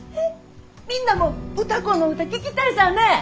みんなも歌子の唄聴きたいさぁねぇ。